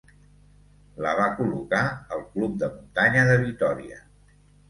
La va col·locar el club de muntanya de Vitòria.